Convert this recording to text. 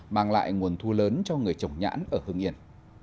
mang lại nguồn thu lớn cho người trồng nhãn ở hương yên